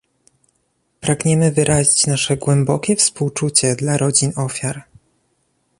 Pragniemy wyrazić nasze głębokie współczucie dla rodzin ofiar